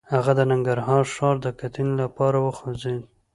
هغه د ننګرهار ښار د کتنې لپاره وخوځېد.